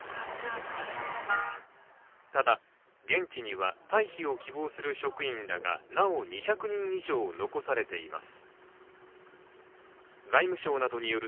ただ、現地には退避を希望する職員だが、なお２００人以上を残されています。